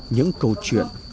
những câu chuyện